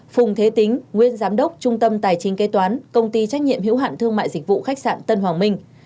phùng thế tính nguyên giám đốc trung tâm tài chính kế toán công ty trách nhiệm hữu hạn thương mại dịch vụ khách sạn tân hoàng minh